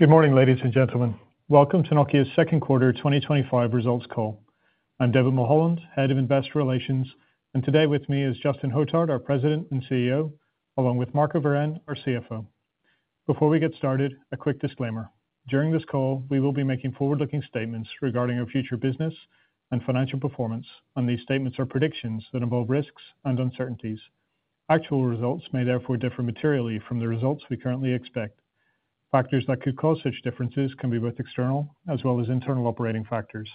Good morning, ladies and gentlemen. Welcome to Nokia's second quarter 2025 results call. I'm David Mulholland, Head of Investor Relations, and today with me is Justin Hotard, our President and CEO, along with Marco Wirén, our CFO. Before we get started, a quick disclaimer: during this call, we will be making forward-looking statements regarding our future business and financial performance. These statements are predictions that involve risks and uncertainties. Actual results may therefore differ materially from the results we currently expect. Factors that could cause such differences can be both external as well as internal operating factors.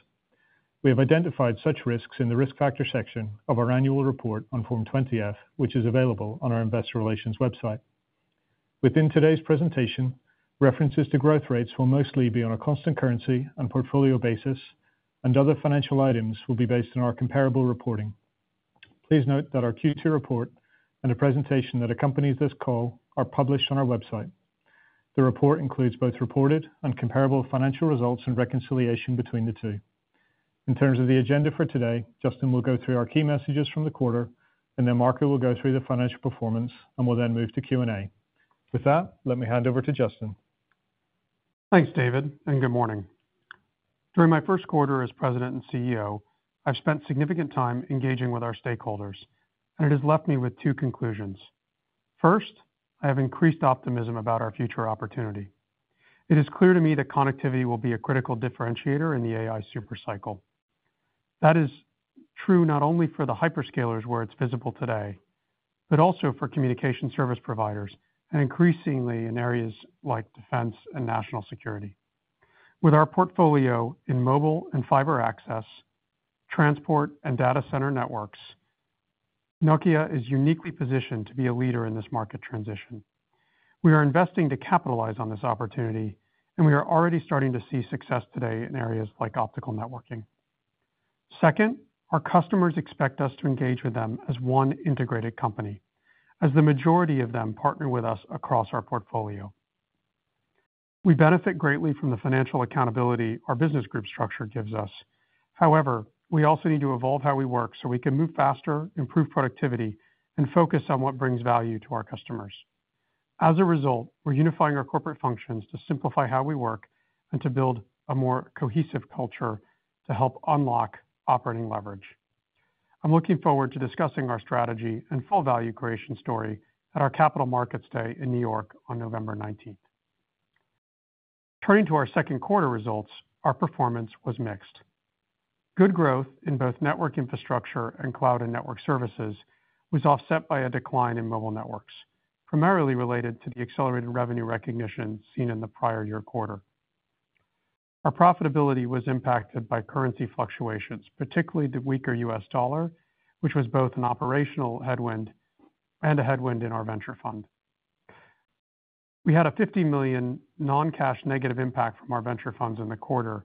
We have identified such risks in the risk factor section of our annual report on Form 20-F, which is available on our Investor Relations website. Within today's presentation, references to growth rates will mostly be on a constant currency and portfolio basis, and other financial items will be based on our comparable reporting. Please note that our Q2 report and a presentation that accompanies this call are published on our website. The report includes both reported and comparable financial results and reconciliation between the two. In terms of the agenda for today, Justin will go through our key messages from the quarter, and then Marco will go through the financial performance, and we'll then move to Q&A. With that, let me hand over to Justin. Thanks, David, and good morning. During my first quarter as President and CEO, I've spent significant time engaging with our stakeholders, and it has left me with two conclusions. First, I have increased optimism about our future opportunity. It is clear to me that connectivity will be a critical differentiator in the AI super cycle. That is true not only for hyperscalers where it's visible today, but also for communication service providers and increasingly in areas like defense and national security. With our portfolio in mobile and fiber access, transport, and data center networks, Nokia is uniquely positioned to be a leader in this market transition. We are investing to capitalize on this opportunity, and we are already starting to see success today in areas like optical networking. Second, our customers expect us to engage with them as one integrated company, as the majority of them partner with us across our portfolio. We benefit greatly from the financial accountability our business group structure gives us. However, we also need to evolve how we work so we can move faster, improve productivity, and focus on what brings value to our customers. As a result, we're unifying our corporate functions to simplify how we work and to build a more cohesive culture to help unlock operating leverage. I'm looking forward to discussing our strategy and full value creation story at our Capital Markets Day in New York on November 19th. Turning to our second quarter results, our performance was mixed. Good growth in both Network Infrastructure and Cloud and Network Services was offset by a decline in Mobile Networks, primarily related to the accelerated revenue recognition seen in the prior year quarter. Our profitability was impacted by currency fluctuations, particularly the weaker US dollar, which was both an operational headwind and a headwind in our venture fund. We had a $50 million non-cash negative impact from our venture funds in the quarter,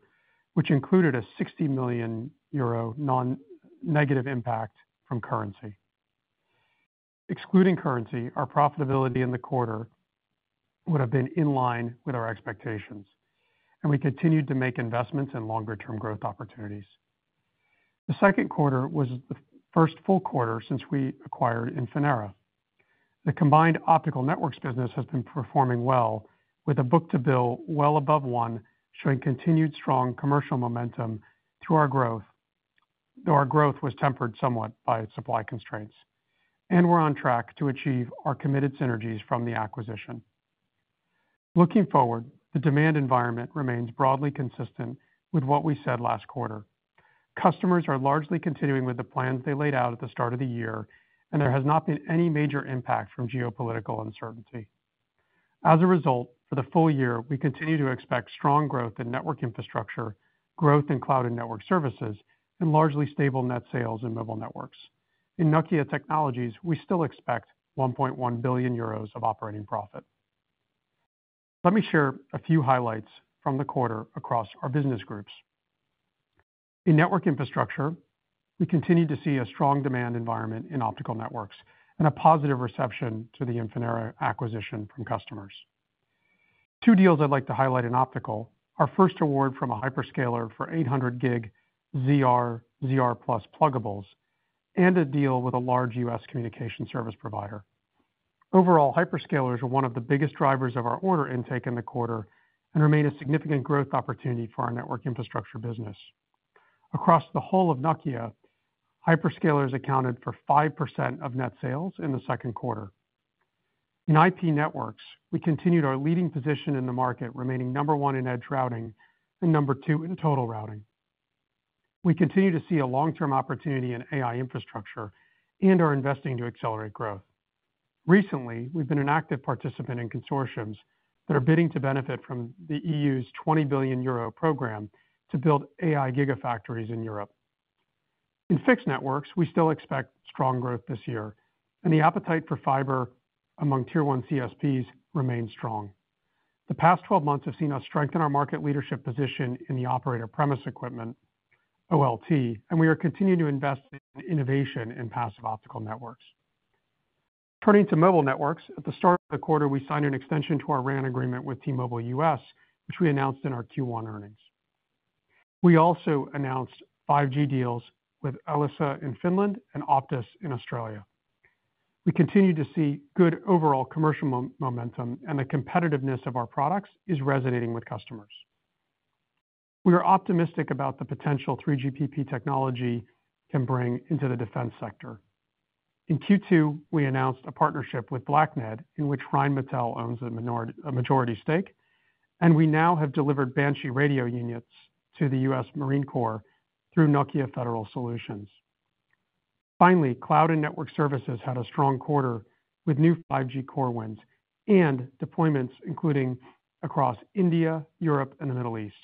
which included a 60 million euro non-negative impact from currency. Excluding currency, our profitability in the quarter would have been in line with our expectations, and we continued to make investments in longer-term growth opportunities. The second quarter was the first full quarter since we acquired Infinera. The combined optical networks business has been performing well, with a Book-to-bill well above one, showing continued strong commercial momentum through our growth. Though our growth was tempered somewhat by supply constraints, and we're on track to achieve our committed synergies from the acquisition. Looking forward, the demand environment remains broadly consistent with what we said last quarter. Customers are largely continuing with the plans they laid out at the start of the year, and there has not been any major impact from geopolitical uncertainty. As a result, for the full year, we continue to expect strong growth in Network Infrastructure, growth in Cloud and Network Services, and largely stable net sales in Mobile Networks. In Nokia Technologies, we still expect 1.1 billion euros of operating profit. Let me share a few highlights from the quarter across our business groups. In Network Infrastructure, we continue to see a strong demand environment in Optical Networks and a positive reception to the Infinera acquisition from customers. Two deals I'd like to highlight in Optical are first, an award from a hyperscaler for 800G ZR+ pluggables, and a deal with a large U.S. communication service provider. hyperscalers are one of the biggest drivers of our order intake in the quarter and remain a significant growth opportunity for our Network Infrastructure business. Across the whole of hyperscalers accounted for 5% of net sales in the second quarter. In IP Networks, we continued our leading position in the market, remaining number one in edge routing and number two in total routing. We continue to see a long-term opportunity in AI infrastructure and are investing to accelerate growth. Recently, we've been an active participant in consortiums that are bidding to benefit from the EU's 20 billion euro program to build AI giga factories in Europe. In Fixed Networks, we still expect strong growth this year, and the appetite for fiber among tier one CSPs remains strong. The past 12 months have seen us strengthen our market leadership position in the operator premise equipment, OLT, and we are continuing to invest in innovation in passive optical networks. Turning to Mobile Networks, at the start of the quarter, we signed an extension to our RAN agreement with T-Mobile US, which we announced in our Q1 earnings. We also announced 5G deals with Elisa in Finland and Optus in Australia. We continue to see good overall commercial momentum, and the competitiveness of our products is resonating with customers. We are optimistic about the potential 3GPP technology we can bring into the defense sector. In Q2, we announced a partnership with BlackNet, in which Rheinmetall owns a majority stake, and we now have delivered Banshee radio units to the U.S. Marine Corps through Nokia Federal Solutions. Finally, Cloud and Network Services had a strong quarter with new 5G Core win and deployments including across India, Europe, and the Middle East.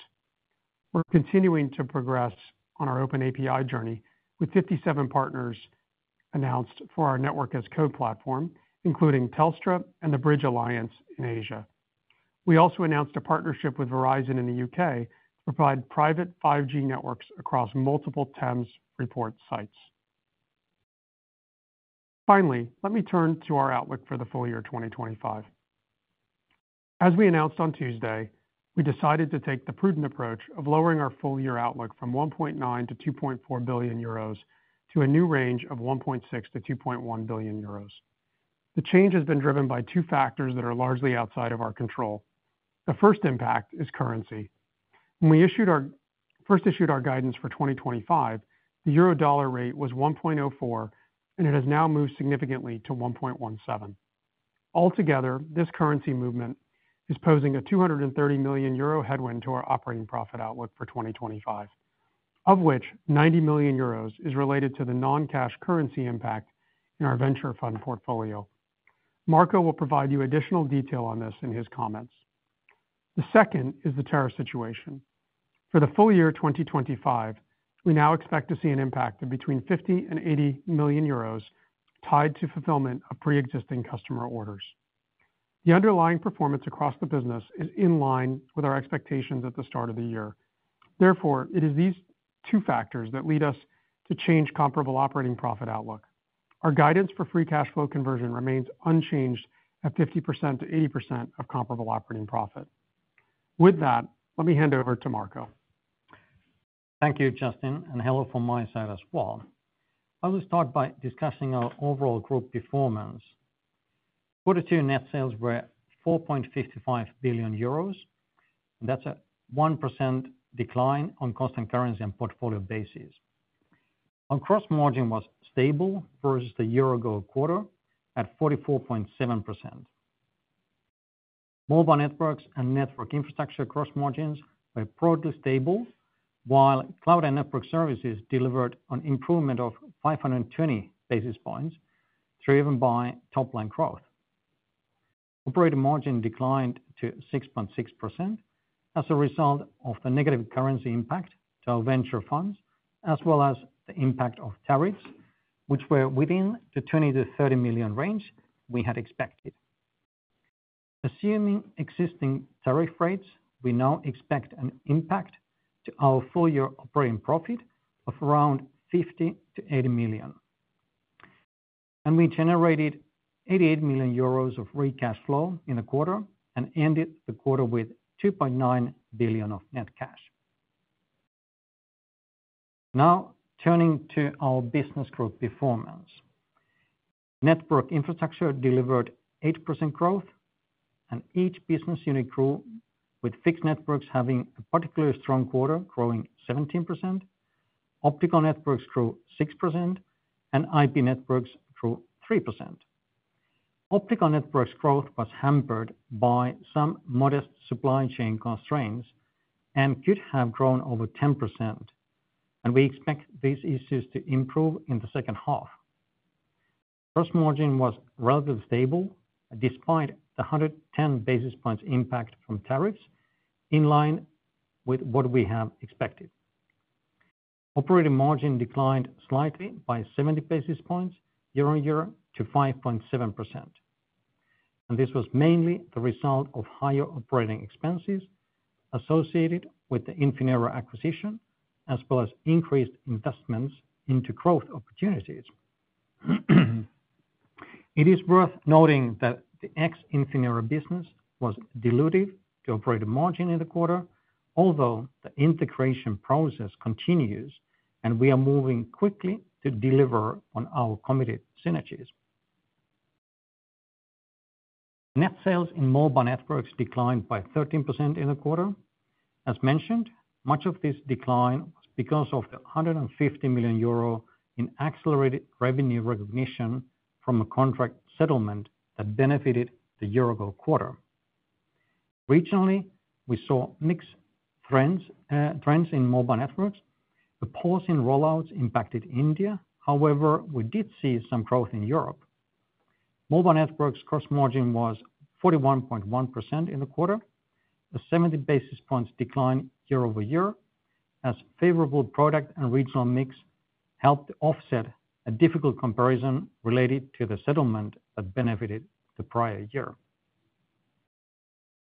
We're continuing to progress on our open API journey with 57 partners announced for our Network as Code platform, including Telstra and the Bridge Alliance in Asia. We also announced a partnership with Verizon UK to provide private 5G networks across multiple terms report sites. Finally, let me turn to our outlook for the full year 2025. As we announced on Tuesday, we decided to take the prudent approach of lowering our full year outlook from 1.9 billion-2.4 billion euros to a new range of 1.6 billion-2.1 billion euros. The change has been driven by two factors that are largely outside of our control. The first impact is currency. When we first issued our guidance for 2025, the euro-dollar rate was 1.04, and it has now moved significantly to 1.17. Altogether, this currency movement is posing a 230 million euro headwind to our operating profit outlook for 2025. Of which 90 million euros is related to the non-cash currency impact in our venture fund portfolio. Marco will provide you additional detail on this in his comments. The second is the tariff situation. For the full year 2025, we now expect to see an impact of between 50 million and 80 million euros tied to fulfillment of pre-existing customer orders. The underlying performance across the business is in line with our expectations at the start of the year. Therefore, it is these two factors that lead us to change comparable operating profit outlook. Our guidance for free cash flow conversion remains unchanged at 50%-80% of comparable operating profit. With that, let me hand over to Marco. Thank you, Justin, and hello from my side as well. I will start by discussing our overall group performance. Quarter two net sales were 4.55 billion euros, and that's a 1% decline on constant currency and portfolio basis. Our gross margin was stable versus the year-ago quarter at 44.7%. Mobile Networks and Network Infrastructure gross margins were broadly stable, while Cloud and Network Services delivered an improvement of 520 basis points driven by top-line growth. Operating margin declined to 6.6% as a result of the negative currency impact to our venture funds, as well as the impact of tariffs, which were within the 20-30 million range we had expected. Assuming existing tariff rates, we now expect an impact to our full year operating profit of around 50-80 million. We generated 88 million euros of free cash flow in the quarter and ended the quarter with 2.9 billion of net cash. Now, turning to our business group performance. Network Infrastructure delivered 8% growth, and each business unit grew, with Fixed Networks having a particularly strong quarter growing 17%. Optical Networks grew 6%, and IP Networks grew 3%. Optical Networks' growth was hampered by some modest supply chain constraints and could have grown over 10%. We expect these issues to improve in the second half. Gross margin was relatively stable despite the 110 basis points impact from tariffs, in line with what we have expected. Operating margin declined slightly by 70 basis points year on year to 5.7%. This was mainly the result of higher operating expenses associated with the Infinera acquisition, as well as increased investments into growth opportunities. It is worth noting that the ex-Infinera business was diluted to operating margin in the quarter, although the integration process continues, and we are moving quickly to deliver on our committed synergies. Net sales in Mobile Networks declined by 13% in the quarter. As mentioned, much of this decline was because of the 150 million euro in accelerated revenue recognition from a contract settlement that benefited the year-ago quarter. Regionally, we saw mixed trends in Mobile Networks. The pause in rollouts impacted India; however, we did see some growth in Europe. Mobile Networks' gross margin was 41.1% in the quarter, a 70 basis points decline year over year, as favorable product and regional mix helped offset a difficult comparison related to the settlement that benefited the prior year.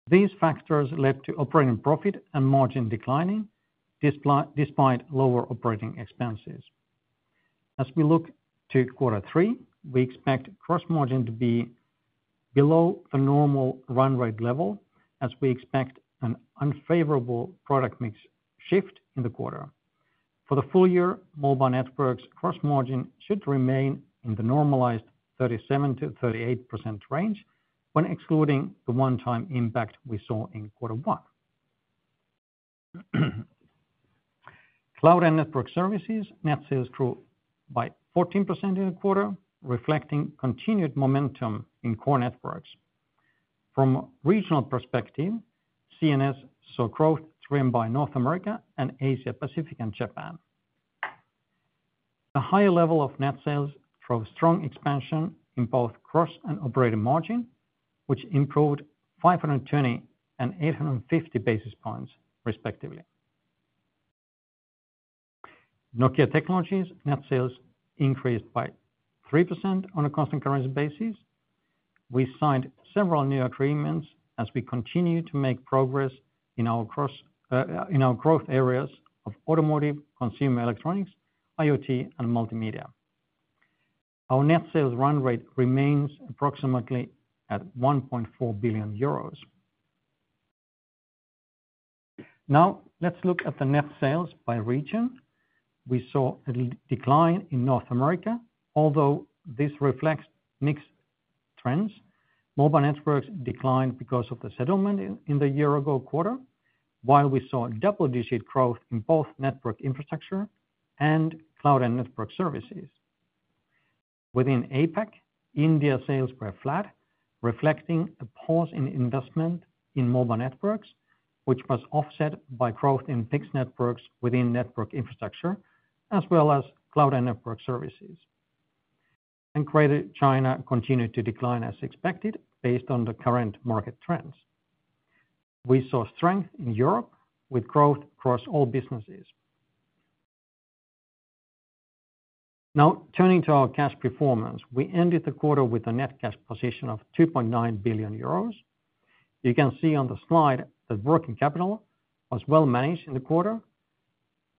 These factors led to operating profit and margin declining, despite lower operating expenses. As we look to quarter three, we expect gross margin to be below the normal run rate level, as we expect an unfavorable product mix shift in the quarter. For the full year, Mobile Networks' gross margin should remain in the normalized 37-38% range when excluding the one-time impact we saw in quarter one. Cloud and Network Services net sales grew by 14% in the quarter, reflecting continued momentum in core networks. From a regional perspective, CNS saw growth driven by North America and Asia-Pacific and Japan. A higher level of net sales drove strong expansion in both gross and operating margin, which improved 520 and 850 basis points respectively. Nokia Technologies' net sales increased by 3% on a constant currency basis. We signed several new agreements as we continue to make progress in our growth areas of automotive, consumer electronics, IoT, and multimedia. Our net sales run rate remains approximately at EUR 1.4 billion. Now, let's look at the net sales by region. We saw a decline in North America, although this reflects mixed trends. Mobile networks declined because of the settlement in the year-ago quarter, while we saw double-digit growth in both Network Infrastructure and Cloud and Network Services. Within APAC, India's sales were flat, reflecting a pause in investment in Mobile Networks, which was offset by growth in fixed networks within Network Infrastructure, as well as Cloud and Network Services. Greater China continued to decline as expected based on the current market trends. We saw strength in Europe with growth across all businesses. Now, turning to our cash performance, we ended the quarter with a net cash position of 2.9 billion euros. You can see on the slide that working capital was well managed in the quarter,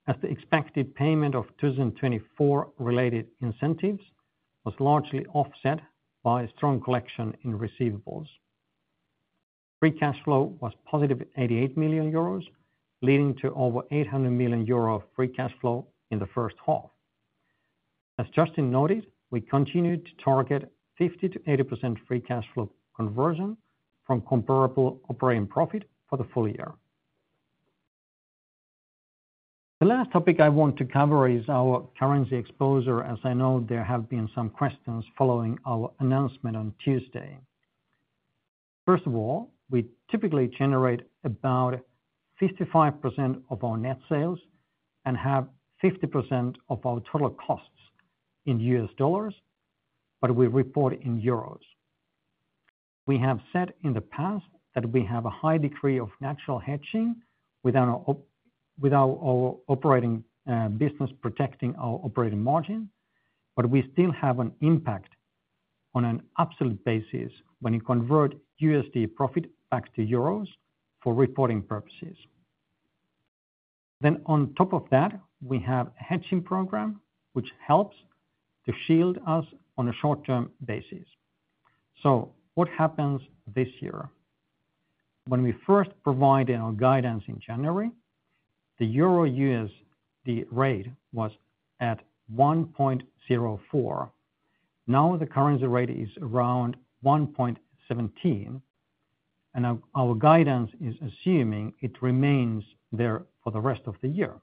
as the expected payment of 2024-related incentives was largely offset by a strong collection in receivables. Free cash flow was positive at 88 million euros, leading to over 800 million euro of free cash flow in the first half. As Justin noted, we continued to target 50-80% free cash flow conversion from comparable operating profit for the full year. The last topic I want to cover is our currency exposure, as I know there have been some questions following our announcement on Tuesday. First of all, we typically generate about 55% of our net sales and have 50% of our total costs in US dollars, but we report in euros. We have said in the past that we have a high degree of natural hedging with our operating business protecting our operating margin, but we still have an impact on an absolute basis when you convert USD profit back to euros for reporting purposes. On top of that, we have a hedging program, which helps to shield us on a short-term basis. What happens this year? When we first provided our guidance in January, the EUR/USD rate was at 1.04. Now, the currency rate is around 1.17, and our guidance is assuming it remains there for the rest of the year.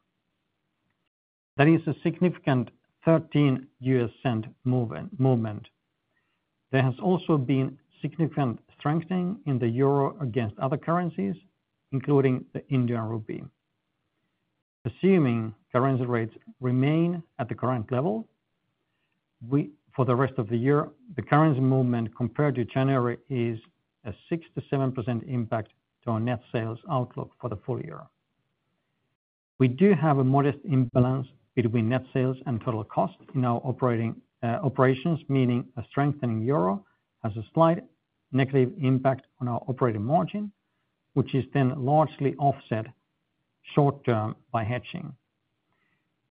That is a significant 13 US cent movement. There has also been significant strengthening in the euro against other currencies, including the Indian rupee. Assuming currency rates remain at the current level for the rest of the year, the currency movement compared to January is a 6-7% impact to our net sales outlook for the full year. We do have a modest in balance between net sales and total cost in our operations, meaning a strengthening euro has a slight negative impact on our operating margin, which is then largely offset short-term by hedging.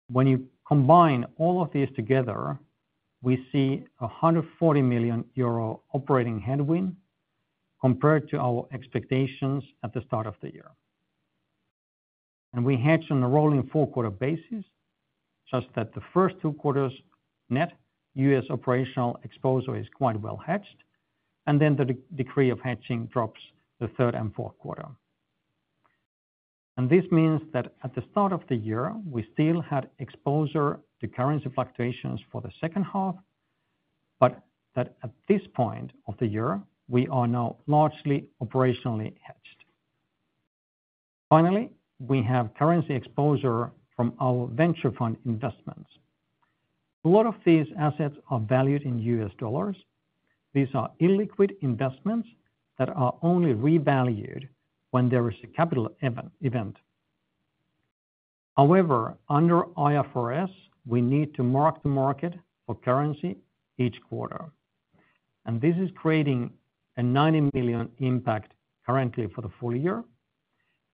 When you combine all of these together, we see a 140 million euro operating headwind compared to our expectations at the start of the year. We hedge on a rolling four-quarter basis, such that the first two quarters' net U.S. operational exposure is quite well hedged, and then the degree of hedging drops in the third and fourth quarter. This means that at the start of the year, we still had exposure to currency fluctuations for the second half, but at this point of the year, we are now largely operationally hedged. Finally, we have currency exposure from our venture fund investments. A lot of these assets are valued in US dollars. These are illiquid investments that are only revalued when there is a capital event. However, under IFRS, we need to mark to market for currency each quarter. This is creating a 90 million impact currently for the full year.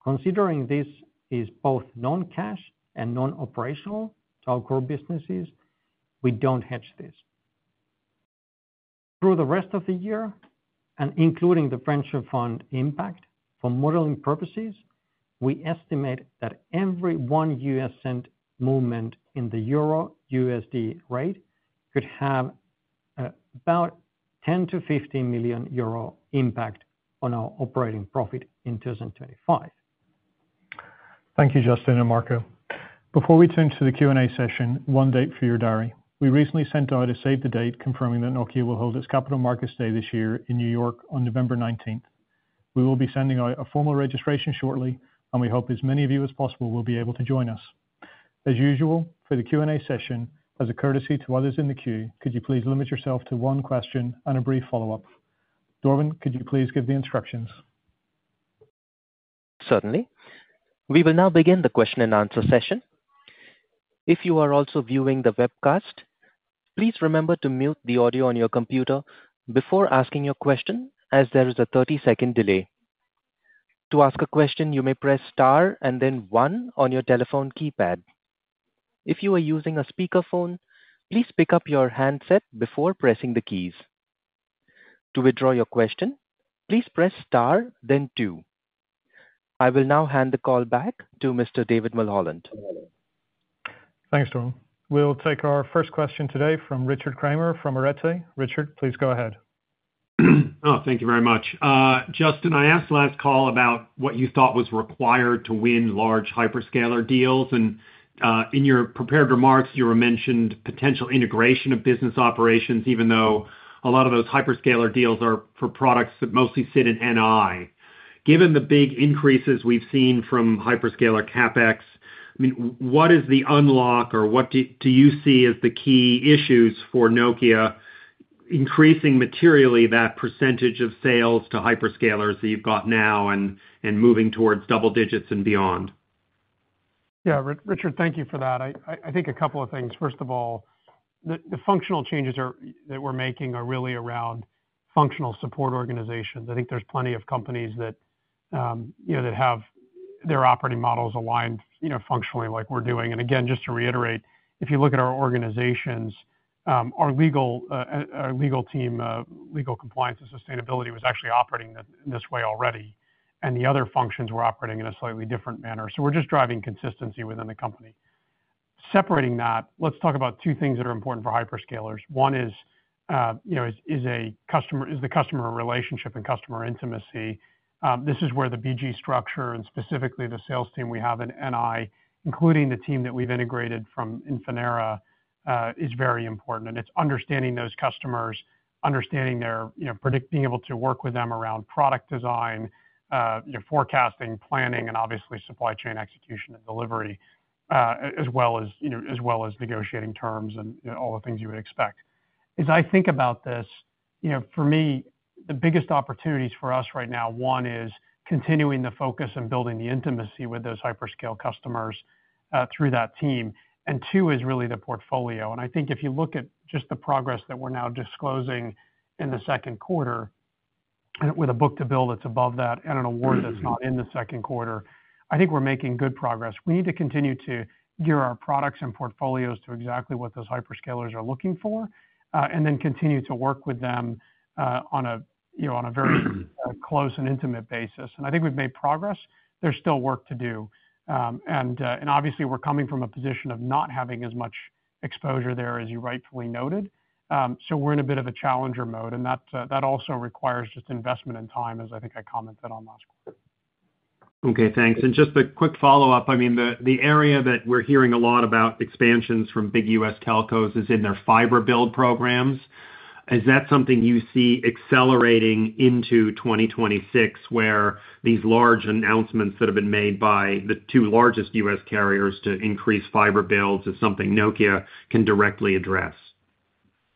Considering this is both non-cash and non-operational to our core businesses, we do not hedge this. Through the rest of the year, and including the venture fund impact for modeling purposes, we estimate that every one US cent movement in the EUR/USD rate could have about a 10 million-15 million euro impact on our operating profit in 2025. Thank you, Justin and Marco. Before we turn to the Q&A session, one date for your diary. We recently sent out a save the date confirming that Nokia will hold its Capital Markets Day this year in New York on November 19th. We will be sending out a formal registration shortly, and we hope as many of you as possible will be able to join us. As usual, for the Q&A session, as a courtesy to others in the queue, could you please limit yourself to one question and a brief follow-up? Dorvan, could you please give the instructions? Certainly. We will now begin the question and answer session. If you are also viewing the webcast, please remember to mute the audio on your computer before asking your question, as there is a 30-second delay. To ask a question, you may press Star and then 1 on your telephone keypad. If you are using a speakerphone, please pick up your handset before pressing the keys. To withdraw your question, please press Star, then 2. I will now hand the call back to Mr. David Mulholland. Thanks, Dorvan. We'll take our first question today from Richard Kramer from Arete. Richard, please go ahead. Oh, thank you very much. Justin, I asked last call about what you thought was required to win large hyperscaler deals. In your prepared remarks, you mentioned potential integration of business operations, even though a lot of those hyper scaler deals are for products that mostly sit in NI. Given the big increases we've seen from hyperscaler CapEx, I mean, what is the unlock, or what do you see as the key issues for Nokia increasing materially that percentage of sales hyperscalers that you've got now and moving towards double digits and beyond? Yeah, Richard, thank you for that. I think a couple of things. First of all, the functional changes that we're making are really around functional support organizations. I think there's plenty of companies that have their operating models aligned functionally like we're doing. Again, just to reiterate, if you look at our organizations, our legal team, legal compliance and sustainability was actually operating in this way already, and the other functions were operating in a slightly different manner. We're just driving consistency within the company. Separating that, let's talk about two things that are important hyperscalers. one is a customer relationship and customer intimacy. This is where the BG structure and specifically the sales team we have in NI, including the team that we've integrated from Infinera, is very important. It's understanding those customers, understanding their being able to work with them around product design, forecasting, planning, and obviously supply chain execution and delivery, as well as negotiating terms and all the things you would expect. As I think about this, for me, the biggest opportunities for us right now, one is continuing the focus and building the intimacy with those hyperscale customers through that team. Two is really the portfolio. I think if you look at just the progress that we're now disclosing in the second quarter, with a Book-to-bill that's above that and an award that's not in the second quarter, I think we're making good progress. We need to continue to gear our products and portfolios to exactly what hyperscalers are looking for and then continue to work with them on a very close and intimate basis. I think we've made progress. There's still work to do. Obviously, we're coming from a position of not having as much exposure there, as you rightfully noted. We're in a bit of a challenger mode. That also requires just investment and time, as I think I commented on last quarter. Okay, thanks. Just a quick follow-up. I mean, the area that we're hearing a lot about expansions from big U.S. telcos is in their fiber build programs. Is that something you see accelerating into 2026, where these large announcements that have been made by the two largest U.S. carriers to increase fiber builds is something Nokia can directly address?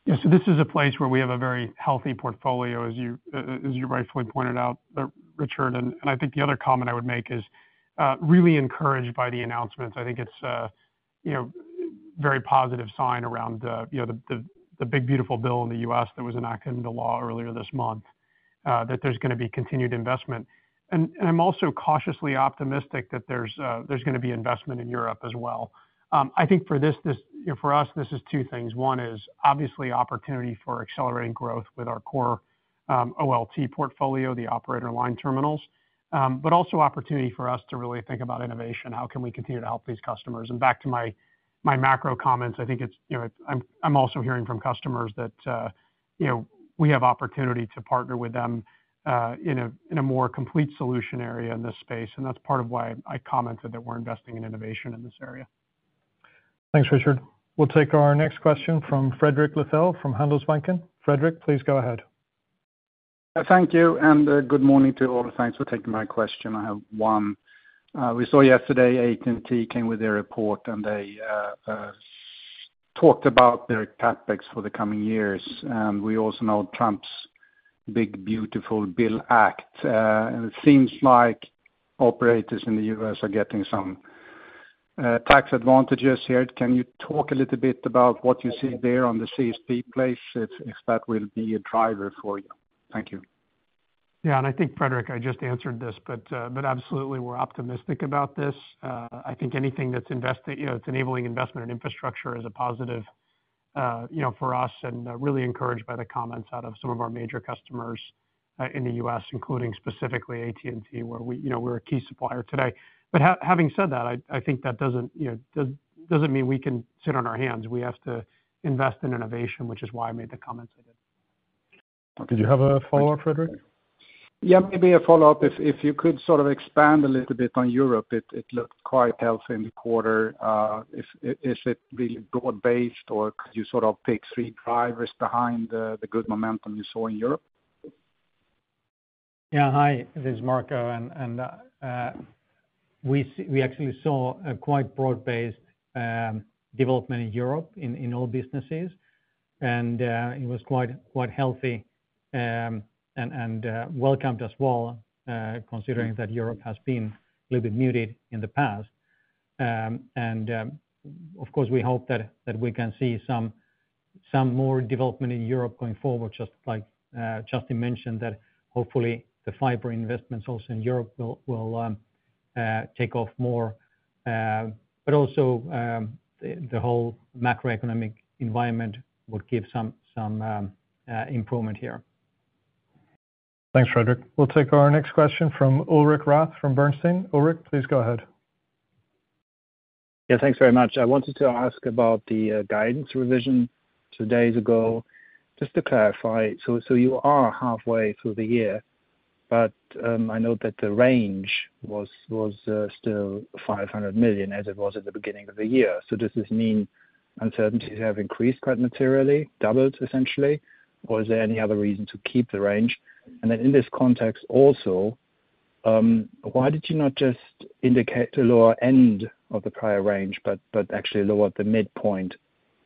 Yeah, so this is a place where we have a very healthy portfolio, as you rightfully pointed out, Richard. I think the other comment I would make is really encouraged by the announcements. I think it's a very positive sign around the big, beautiful bill in the U.S. that was enacted into law earlier this month that there's going to be continued investment. I'm also cautiously optimistic that there's going to be investment in Europe as well. I think for us, this is two things. One is obviously opportunity for accelerating growth with our core OLT portfolio, the operator line terminals, but also opportunity for us to really think about innovation. How can we continue to help these customers? Back to my macro comments, I think I'm also hearing from customers that we have opportunity to partner with them in a more complete solution area in this space. That's part of why I commented that we're investing in innovation in this area. Thanks, Richard. We'll take our next question from Fredrik Lithell from Handelsbanken. Fredrik, please go ahead. Thank you. Good morning to all. Thanks for taking my question. I have one. We saw yesterday AT&T came with their report, and they talked about their CapEx for the coming years. We also know Trump's big, beautiful bill act. It seems like operators in the U.S. are getting some tax advantages here. Can you talk a little bit about what you see there on the CSP place, if that will be a driver for you? Thank you. Yeah, and I think, Fredrik, I just answered this, but absolutely we're optimistic about this. I think anything that's enabling investment in infrastructure is a positive for us and really encouraged by the comments out of some of our major customers in the U.S., including specifically AT&T, where we're a key supplier today. Having said that, I think that doesn't mean we can sit on our hands. We have to invest in innovation, which is why I made the comments I did. Did you have a follow-up, Fredrik? Yeah, maybe a follow-up. If you could sort of expand a little bit on Europe, it looked quite healthy in the quarter. Is it really broad-based, or could you sort of pick three drivers behind the good momentum you saw in Europe? Yeah, hi, this is Marco. We actually saw a quite broad-based development in Europe in all businesses. It was quite healthy and welcomed as well, considering that Europe has been a little bit muted in the past. Of course, we hope that we can see some more development in Europe going forward, just like Justin mentioned, that hopefully the fiber investments also in Europe will take off more. Also, the whole macroeconomic environment would give some improvement here. Thanks, Frederik. We'll take our next question from Ulrik Rath from Bernstein. Ulrik, please go ahead. Yeah, thanks very much. I wanted to ask about the guidance revision two days ago. Just to clarify, you are halfway through the year, but I note that the range was still $500 million as it was at the beginning of the year. Does this mean uncertainties have increased quite materially, doubled essentially, or is there any other reason to keep the range? In this context also, why did you not just indicate the lower end of the prior range, but actually lower the midpoint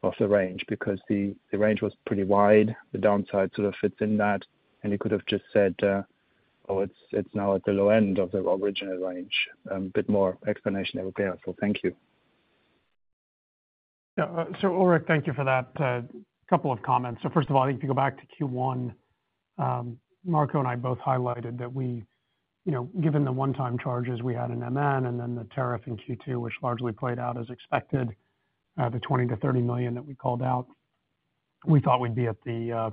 of the range? Because the range was pretty wide, the downside sort of fits in that, and you could have just said, "Oh, it's now at the low end of the original range." A bit more explanation there would be helpful. Thank you. Yeah, so Ulrik, thank you for that couple of comments. First of all, I think if you go back to Q1, Marco and I both highlighted that, given the one-time charges we had in MN and then the tariff in Q2, which largely played out as expected, the $20 million-$30 million that we called out. We thought we'd be at the,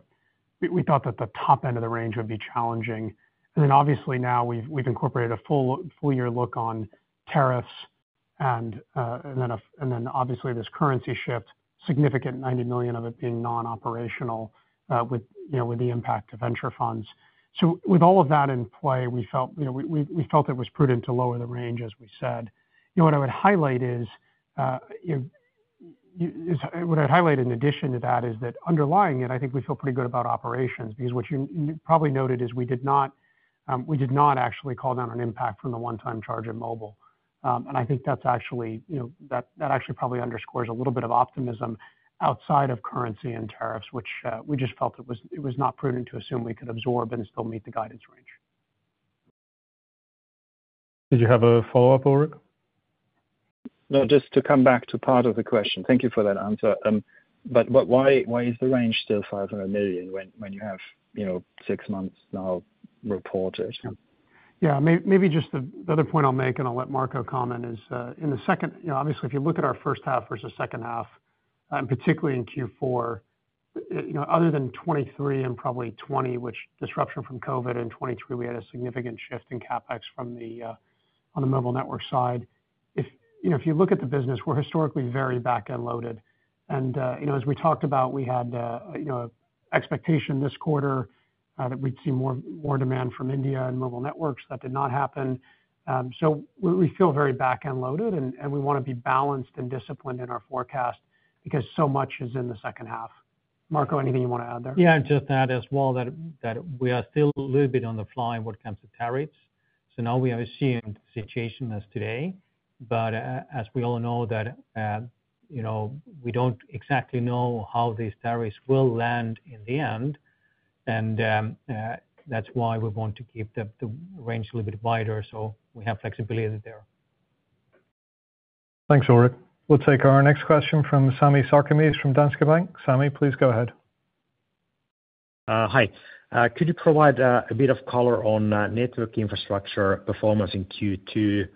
we thought that the top end of the range would be challenging. Obviously, now we've incorporated a full year look on tariffs and then this currency shift, significant, $90 million of it being non-operational, with the impact of venture funds. With all of that in play, we felt it was prudent to lower the range, as we said. You know, what I would highlight is, what I'd highlight in addition to that is that underlying it, I think we feel pretty good about operations. Because what you probably noted is we did not actually call down an impact from the one-time charge in mobile. I think that actually probably underscores a little bit of optimism outside of currency and tariffs, which we just felt it was not prudent to assume we could absorb and still meet the guidance range. Did you have a follow-up, Ulrik? No, just to come back to part of the question. Thank you for that answer. Why is the range still $500 million when you have six months now reported? Yeah, maybe just the other point I'll make, and I'll let Marco comment, is in the second, obviously, if you look at our first half versus second half, and particularly in Q4. Other than 2023 and probably 2020, which disruption from COVID, in 2023 we had a significant shift in CapEx from the mobile network side. If you look at the business, we're historically very back-end loaded. As we talked about, we had an expectation this quarter that we'd see more demand from India and Mobile Networks. That did not happen. We feel very back-end loaded, and we want to be balanced and disciplined in our forecast because so much is in the second half. Marco, anything you want to add there? Yeah, just that as well, that we are still a little bit on the fly when it comes to tariffs. We are seeing the situation as today. As we all know, we do not exactly know how these tariffs will land in the end. That is why we want to keep the range a little bit wider so we have flexibility there. Thanks, Ulrik. We'll take our next question from Sami Sarkamies from Danske Bank. Sami, please go ahead. Hi. Could you provide a bit of color on Network Infrastructure performance in Q2?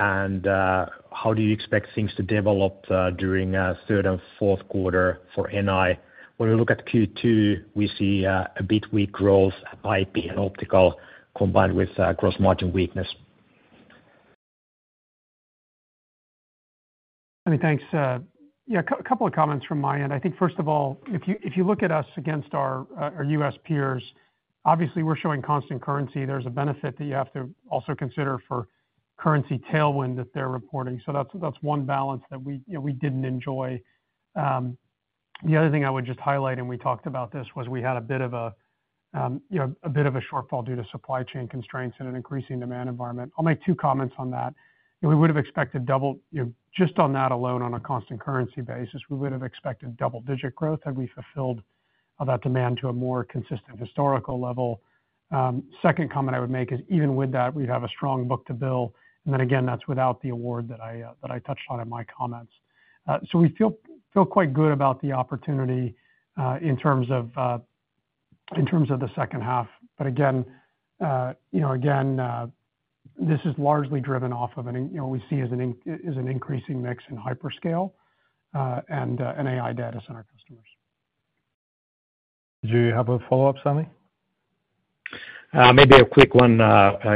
How do you expect things to develop during the third and fourth quarter for NI? When we look at Q2, we see a bit weak growth at IP and optical combined with gross margin weakness. Sami, thanks. Yeah, a couple of comments from my end. I think first of all, if you look at us against our U.S. peers, obviously we're showing constant currency. There's a benefit that you have to also consider for currency tailwind that they're reporting. That's one balance that we didn't enjoy. The other thing I would just highlight, and we talked about this, was we had a bit of a shortfall due to supply chain constraints and an increasing demand environment. I'll make two comments on that. We would have expected double just on that alone, on a constant currency basis, we would have expected double-digit growth had we fulfilled that demand to a more consistent historical level. Second comment I would make is even with that, we'd have a strong Book-to-bill. That's without the award that I touched on in my comments. We feel quite good about the opportunity in terms of the second half. Again, this is largely driven off of what we see as an increasing mix in hyperscale and AI data center customers. Do you have a follow-up, Sami? Maybe a quick one.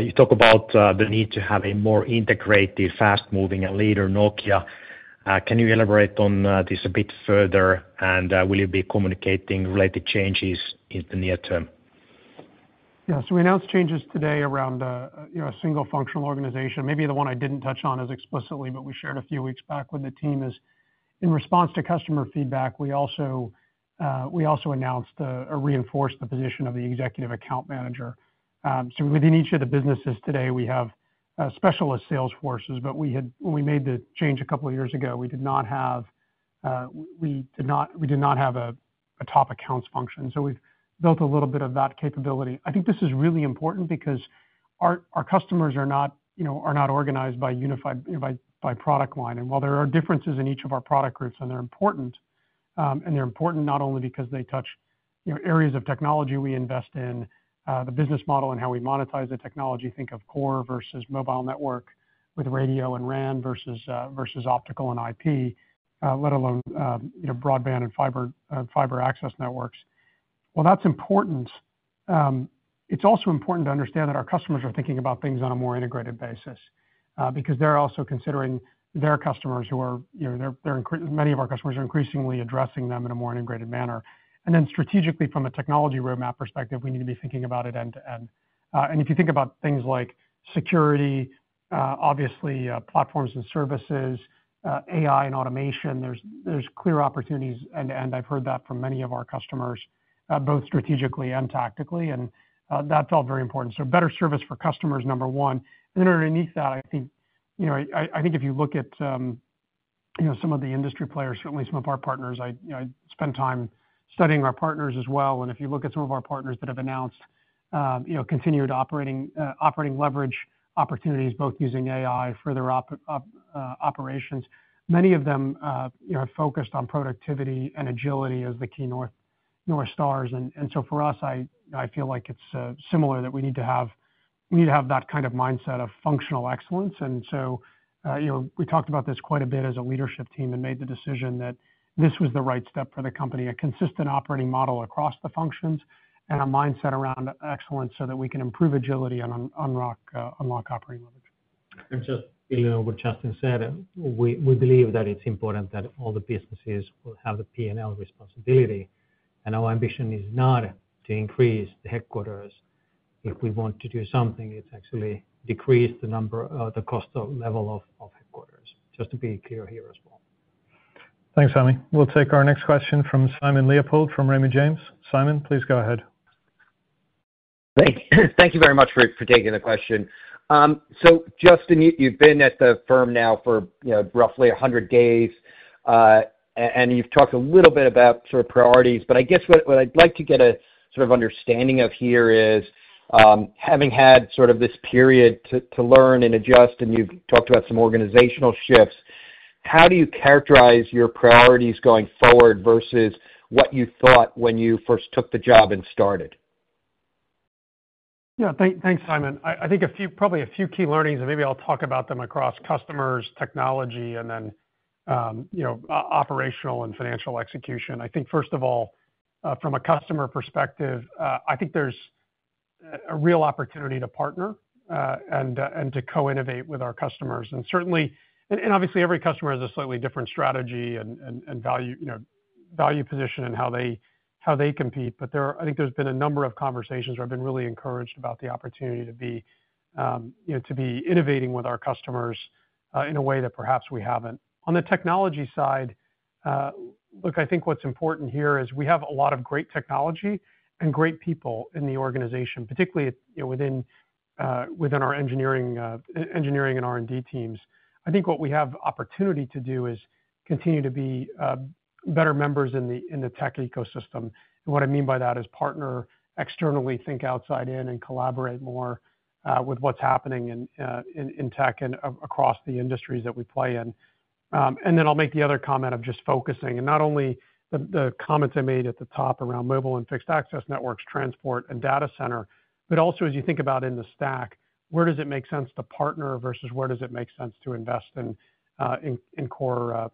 You talk about the need to have a more integrated, fast-moving, and later Nokia. Can you elaborate on this a bit further? Will you be communicating related changes in the near term? Yeah, so we announced changes today around a single functional organization. Maybe the one I did not touch on as explicitly, but we shared a few weeks back with the team, is in response to customer feedback, we also announced or reinforced the position of the executive account manager. Within each of the businesses today, we have specialist sales forces, but when we made the change a couple of years ago, we did not have a top accounts function. We have built a little bit of that capability. I think this is really important because our customers are not organized by a unified product line. While there are differences in each of our product groups, and they are important, and they are important not only because they touch areas of technology we invest in, the business model, and how we monetize the technology—think of core versus mobile network with radio and RAN versus optical and IP, let alone broadband and fiber access networks. While that is important, it is also important to understand that our customers are thinking about things on a more integrated basis because they are also considering their customers, who are. Many of our customers are increasingly addressing them in a more integrated manner. Strategically, from a technology roadmap perspective, we need to be thinking about it end-to-end. If you think about things like security, obviously platforms and services, AI and automation, there are clear opportunities end-to-end. I have heard that from many of our customers, both strategically and tactically. That felt very important. Better service for customers, number one. Underneath that, I think if you look at some of the industry players, certainly some of our partners—I spent time studying our partners as well—and if you look at some of our partners that have announced continued operating leverage opportunities, both using AI for their operations, many of them have focused on productivity and agility as the key north stars. For us, I feel like it is similar that we need to have that kind of mindset of functional excellence. We talked about this quite a bit as a leadership team and made the decision that this was the right step for the company: a consistent operating model across the functions and a mindset around excellence so that we can improve agility and unlock operating leverage. Just building on what Justin said, we believe that it's important that all the businesses will have the P&L responsibility. Our ambition is not to increase the headquarters. If we want to do something, it's actually decrease the number or the cost level of headquarters, just to be clear here as well. Thanks, Sami. We'll take our next question from Simon Leopold from Raymond James. Simon, please go ahead. Thank you very much for taking the question. Justin, you have been at the firm now for roughly 100 days. You have talked a little bit about sort of priorities. I guess what I would like to get a sort of understanding of here is, having had sort of this period to learn and adjust, and you have talked about some organizational shifts, how do you characterize your priorities going forward versus what you thought when you first took the job and started? Yeah, thanks, Simon. I think probably a few key learnings, and maybe I'll talk about them across customers, technology, and then operational and financial execution. I think first of all, from a customer perspective, I think there's a real opportunity to partner and to co-innovate with our customers. Obviously, every customer has a slightly different strategy and value position and how they compete. I think there's been a number of conversations where I've been really encouraged about the opportunity to be innovating with our customers in a way that perhaps we haven't. On the technology side, look, I think what's important here is we have a lot of great technology and great people in the organization, particularly within our engineering and R&D teams. I think what we have opportunity to do is continue to be better members in the tech ecosystem. What I mean by that is partner externally, think outside in, and collaborate more with what's happening in tech and across the industries that we play in. I'll make the other comment of just focusing, and not only the comments I made at the top around mobile and fixed access networks, transport, and data center, but also as you think about in the stack, where does it make sense to partner versus where does it make sense to invest in core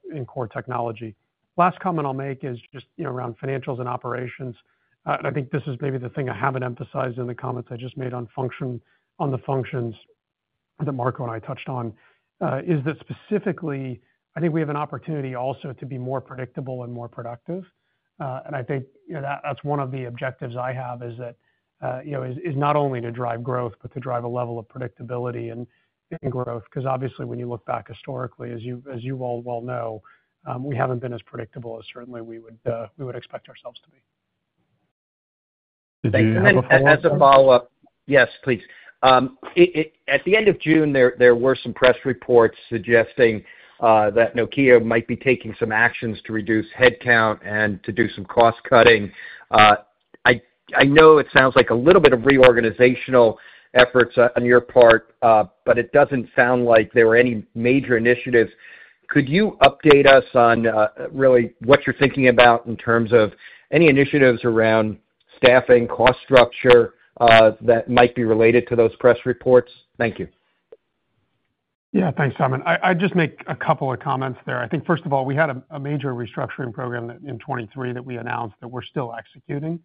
technology? Last comment I'll make is just around financials and operations. I think this is maybe the thing I haven't emphasized in the comments I just made on the functions that Marco and I touched on, is that specifically, I think we have an opportunity also to be more predictable and more productive. I think that's one of the objectives I have, is not only to drive growth, but to drive a level of predictability in growth. Because obviously, when you look back historically, as you all well know, we haven't been as predictable as certainly we would expect ourselves to be. Thanks. As a follow-up, yes, please. At the end of June, there were some press reports suggesting that Nokia might be taking some actions to reduce headcount and to do some cost cutting. I know it sounds like a little bit of reorganizational efforts on your part, but it doesn't sound like there were any major initiatives. Could you update us on really what you're thinking about in terms of any initiatives around staffing, cost structure that might be related to those press reports? Thank you. Yeah, thanks, Simon. I'd just make a couple of comments there. I think first of all, we had a major restructuring program in 2023 that we announced that we're still executing.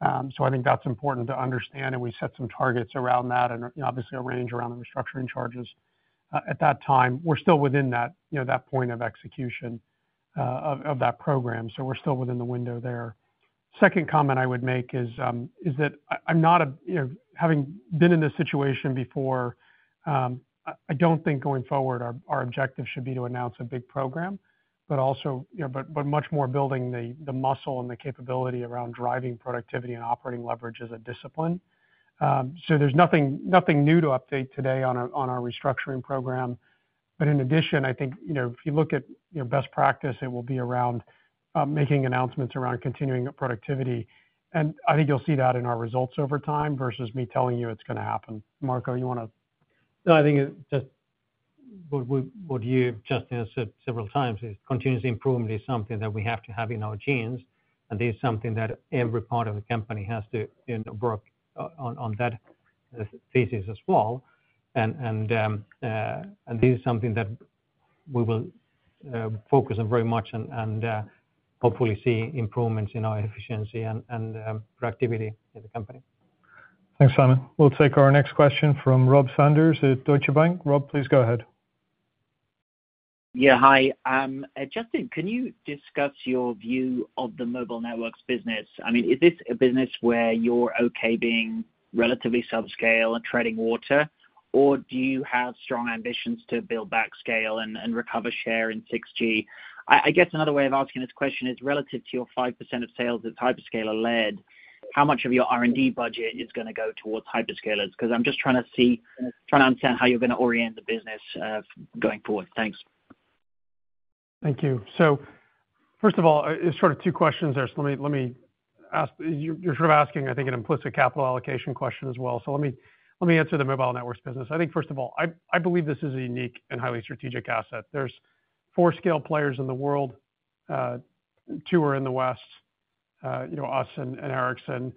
I think that's important to understand. We set some targets around that and obviously a range around the restructuring charges. At that time, we're still within that point of execution of that program. We're still within the window there. Second comment I would make is that not having been in this situation before, I don't think going forward our objective should be to announce a big program, but much more building the muscle and the capability around driving productivity and operating leverage as a discipline. There's nothing new to update today on our restructuring program. In addition, I think if you look at best practice, it will be around making announcements around continuing productivity. I think you'll see that in our results over time versus me telling you it's going to happen. Marco, you want to? No, I think just what you've just answered several times is continuous improvement is something that we have to have in our genes. There is something that every part of the company has to work on, that thesis as well. This is something that we will focus on very much and hopefully see improvements in our efficiency and productivity in the company. Thanks, Simon. We'll take our next question from Rob Sanders at Deutsche Bank. Rob, please go ahead. Yeah, hi. Justin, can you discuss your view of the Mobile Networks business? I mean, is this a business where you're okay being relatively subscale and treading water, or do you have strong ambitions to build back scale and recover share in 6G? I guess another way of asking this question is relative to your 5% of sales that's hyperscaler-led, how much of your R&D budget is going to go towards hyperscalers? Because I'm just trying to see, trying to understand how you're going to orient the business going forward. Thanks. Thank you. First of all, there are sort of two questions there. Let me ask, you are sort of asking, I think, an implicit capital allocation question as well. Let me answer the Mobile Networks business. I think, first of all, I believe this is a unique and highly strategic asset. There are four scale players in the world. Two are in the West, us and Ericsson.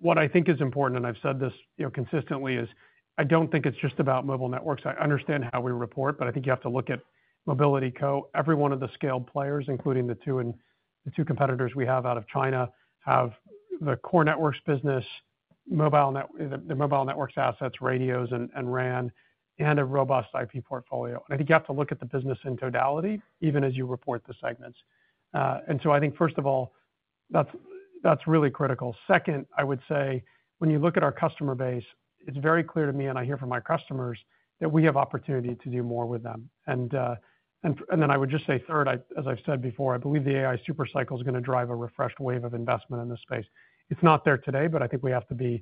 What I think is important, and I have said this consistently, is I do not think it is just about Mobile Networks. I understand how we report, but I think you have to look at Mobility, Co. Every one of the scaled players, including the two competitors we have out of China, have the core networks business, Mobile Networks assets, radios and RAN, and a robust IP portfolio. I think you have to look at the business in totality, even as you report the segments. That is really critical. Second, I would say when you look at our customer base, it is very clear to me, and I hear from my customers, that we have opportunity to do more with them. Third, as I have said before, I believe the AI super cycle is going to drive a refreshed wave of investment in this space. It is not there today, but I think we have to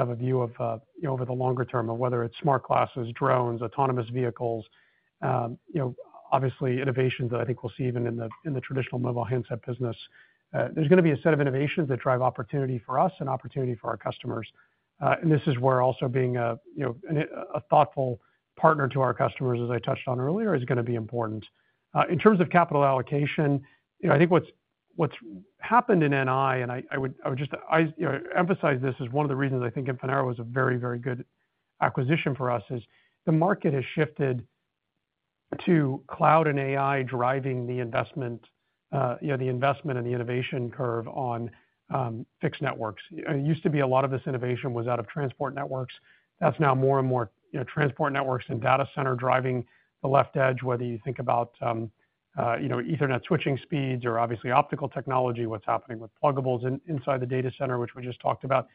have a view over the longer term of whether it is smart glasses, drones, autonomous vehicles, obviously innovations that I think we will see even in the traditional mobile handset business. There is going to be a set of innovations that drive opportunity for us and opportunity for our customers. This is where also being a thoughtful partner to our customers, as I touched on earlier, is going to be important. In terms of capital allocation, I think what has happened in NI, and I would just emphasize this as one of the reasons I think Infinera was a very, very good acquisition for us, is the market has shifted to cloud and AI driving the investment. The investment and the innovation curve on Fixed Networks, it used to be a lot of this innovation was out of transport networks. That is now more and more transport networks and data center driving the left edge, whether you think about Ethernet switching speeds or obviously optical technology, what is happening with pluggables inside the data center, which we just talked about.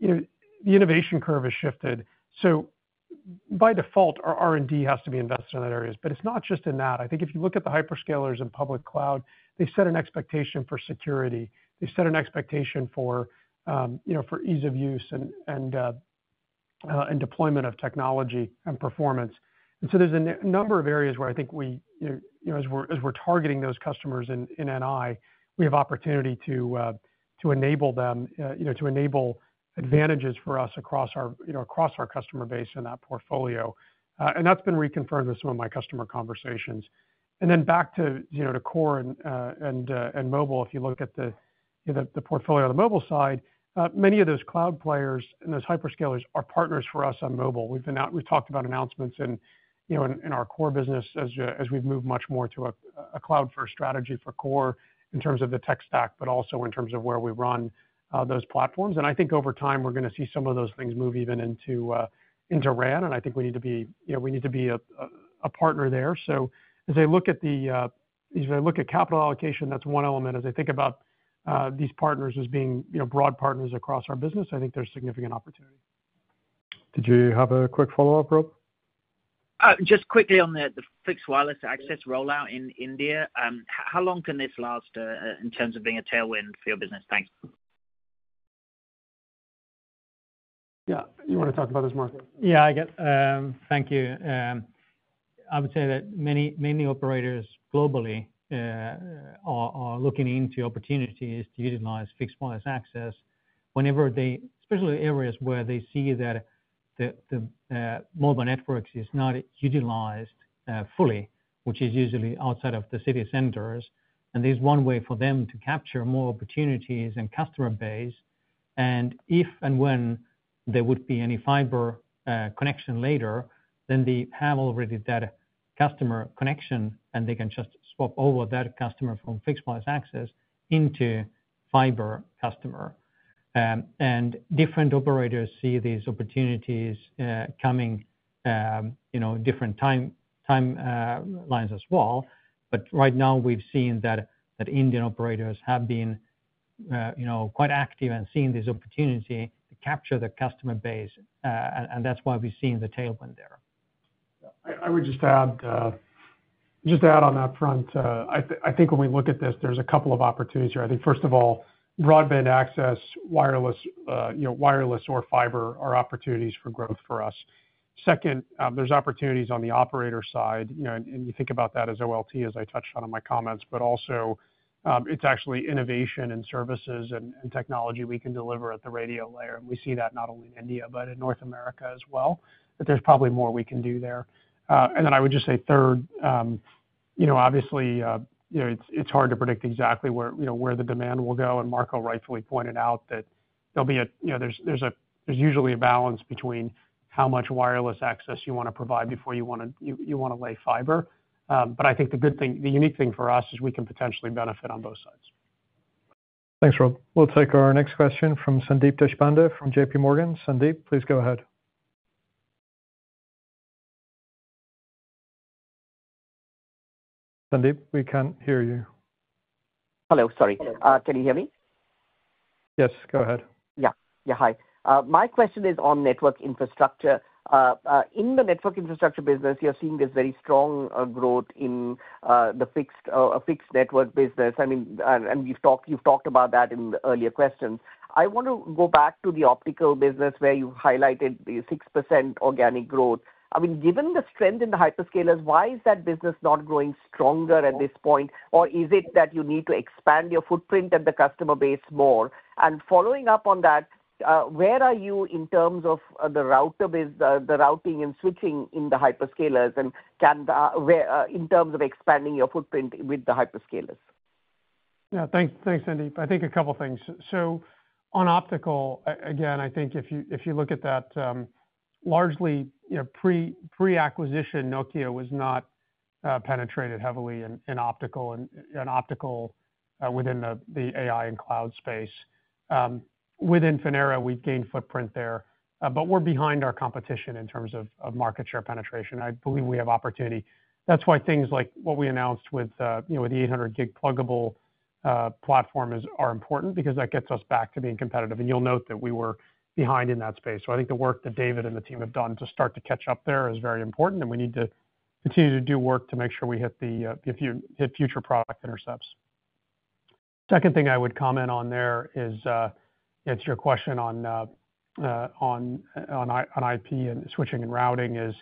The innovation curve has shifted. By default, our R&D has to be invested in that area. It is not just in that. I think if you look at the hyperscalers and public cloud, they set an expectation for security. They set an expectation for ease of use and deployment of technology and performance. There are a number of areas where I think we, as we are targeting those customers in NI, have opportunity to enable them, to enable advantages for us across our customer base and that portfolio. That's been reconfirmed with some of my customer conversations. Back to core and mobile, if you look at the portfolio on the mobile side, many of those cloud players and those hyperscalers are partners for us on mobile. We've talked about announcements in our core business as we've moved much more to a cloud-first strategy for core in terms of the tech stack, but also in terms of where we run those platforms. I think over time, we're going to see some of those things move even into RAN. I think we need to be a partner there. If I look at capital allocation, that's one element. As I think about these partners as being broad partners across our business, I think there's significant opportunity. Did you have a quick follow-up, Rob? Just quickly on the fixed wireless access rollout in India, how long can this last in terms of being a tailwind for your business? Thanks. Yeah, you want to talk about this, Marco? Yeah, I guess. Thank you. I would say that many operators globally are looking into opportunities to utilize fixed wireless access, especially in areas where they see that the Mobile Networks are not utilized fully, which is usually outside of the city centers. That is one way for them to capture more opportunities and customer base. If and when there would be any fiber connection later, then they have already that customer connection, and they can just swap over that customer from fixed wireless access into a fiber customer. Different operators see these opportunities coming at different timelines as well. Right now, we've seen that Indian operators have been quite active and seen this opportunity to capture the customer base, and that's why we've seen the tailwind there. I would just add. On that front, I think when we look at this, there's a couple of opportunities here. I think first of all, broadband access, wireless or fiber, are opportunities for growth for us. Second, there's opportunities on the operator side. You think about that as OLT, as I touched on in my comments, but also it's actually innovation and services and technology we can deliver at the radio layer. We see that not only in India, but in North America as well, that there's probably more we can do there. I would just say third, obviously, it's hard to predict exactly where the demand will go. Marco rightfully pointed out that there's usually a balance between how much wireless access you want to provide before you want to lay fiber. I think the good thing, the unique thing for us is we can potentially benefit on both sides. Thanks, Rob. We'll take our next question from Sandeep Deshpande from JPMorgan. Sandeep, please go ahead. Sandeep, we can't hear you. Hello, sorry. Can you hear me? Yes, go ahead. Yeah, yeah, hi. My question is on Network Infrastructure. In the Network Infrastructure business, you're seeing this very strong growth in the fixed network business. I mean, and you've talked about that in the earlier questions. I want to go back to the optical business where you highlighted the 6% organic growth. I mean, given the strength in the hyperscalers, why is that business not growing stronger at this point? Is it that you need to expand your footprint at the customer base more? Following up on that, where are you in terms of the routing and switching in the hyperscalers? In terms of expanding your footprint with the hyperscalers? Yeah, thanks, Sandeep. I think a couple of things. On optical, again, I think if you look at that, largely, pre-acquisition, Nokia was not penetrated heavily in optical within the AI and cloud space. With Infinera, we've gained footprint there, but we're behind our competition in terms of market share penetration. I believe we have opportunity. That's why things like what we announced with the 800G pluggable platform are important because that gets us back to being competitive. You'll note that we were behind in that space. I think the work that David and the team have done to start to catch up there is very important, and we need to continue to do work to make sure we hit the future product intercepts. Second thing I would comment on there is your question on IP and switching and routing.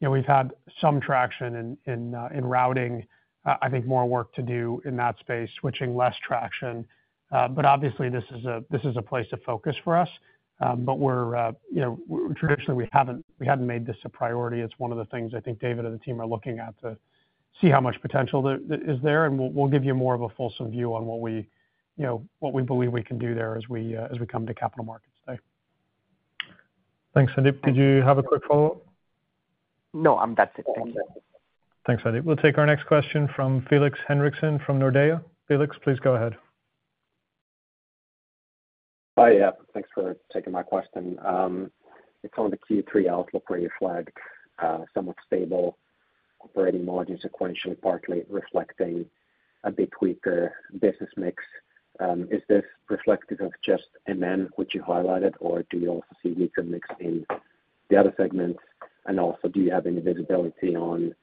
We've had some traction in routing. I think more work to do in that space, switching less traction. Obviously, this is a place to focus for us. Traditionally, we hadn't made this a priority. It's one of the things I think David and the team are looking at to see how much potential is there, and we'll give you more of a fulsome view on what we believe we can do there as we come to capital markets today. Thanks, Sandeep. Could you have a quick follow-up? No, I'm that's it. Thank you. Thanks, Sandeep. We'll take our next question from Felix Henriksen from Nordea. Felix, please go ahead. Hi, yeah, thanks for taking my question. It's one on the Q3 outlook where you flagged somewhat stable operating margins sequentially, partly reflecting a bit weaker business mix. Is this reflective of just MN, which you highlighted, or do you also see weaker mix in the other segments? Also, do you have any visibility on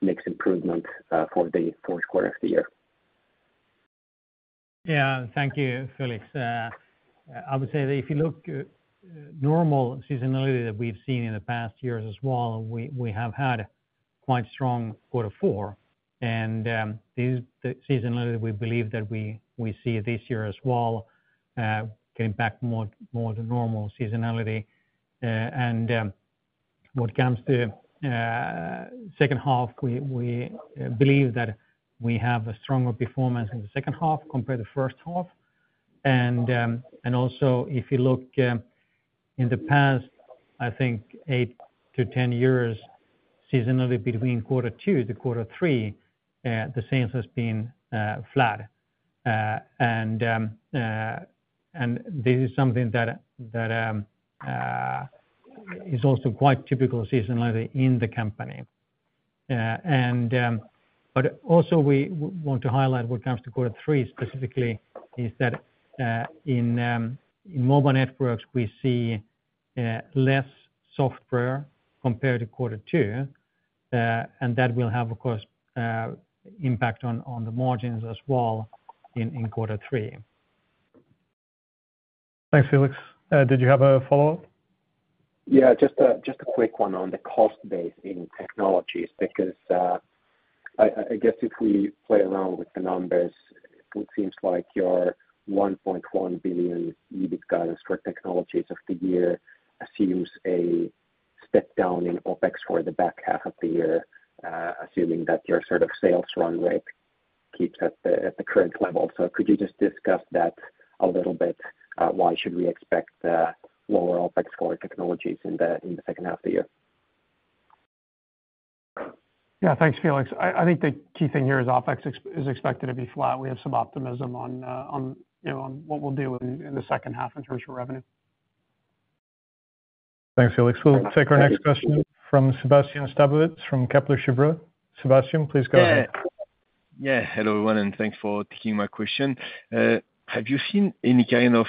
mix improvement for the fourth quarter of the year? Yeah, thank you, Felix. I would say that if you look at normal seasonality that we've seen in the past years as well, we have had quite strong quarter four. The seasonality we believe that we see this year as well, getting back more to normal seasonality. What comes to the second half, we believe that we have a stronger performance in the second half compared to the first half. Also, if you look in the past, I think 8 to 10 years, seasonality between quarter two to quarter three, the sales has been flat. This is something that is also quite typical seasonality in the company. We want to highlight what comes to quarter three specifically is that in Mobile Networks, we see less software compared to quarter two, and that will have, of course, impact on the margins as well in quarter three. Thanks, Felix. Did you have a follow-up? Yeah, just a quick one on the cost base in technologies because I guess if we play around with the numbers, it seems like your $1.1 billion EBIT guidance for technologies for the year assumes a step down in OpEx for the back half of the year, assuming that your sort of sales run rate keeps at the current level. Could you just discuss that a little bit? Why should we expect lower OpEx for technologies in the second half of the year? Yeah, thanks, Felix. I think the key thing here is OpEx is expected to be flat. We have some optimism on what we'll do in the second half in terms of revenue. Thanks, Felix. We'll take our next question from Sébastien Sztabowicz from Kepler Cheuvreux. Sébastien, please go ahead. Yeah, hello everyone, and thanks for taking my question. Have you seen any kind of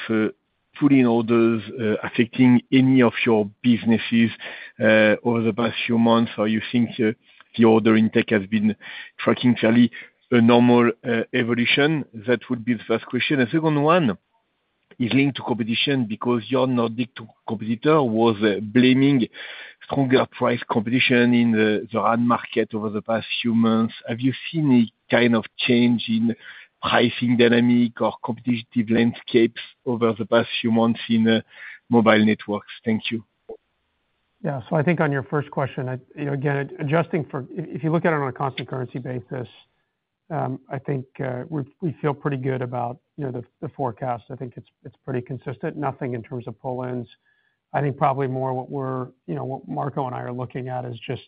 pulling orders affecting any of your businesses over the past few months? Or you think the order intake has been tracking fairly a normal evolution? That would be the first question. A second one is linked to competition because your Nordic competitor was blaming stronger price competition in the RAN market over the past few months. Have you seen any kind of change in pricing dynamic or competitive landscapes over the past few months in Mobile Networks? Thank you. Yeah, I think on your first question, again, adjusting for, if you look at it on a constant currency basis, I think we feel pretty good about the forecast. I think it's pretty consistent. Nothing in terms of pull-ins. I think probably more what Marco and I are looking at is just